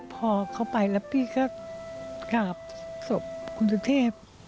พอเขาไปแล้วพี่ก็กราบศพคุณสุเทพ